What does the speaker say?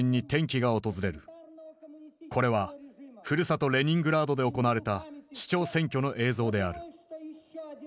これはふるさとレニングラードで行われた市長選挙の映像である。